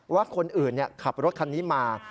ว่าคนอื่นขับรถคันนี้มา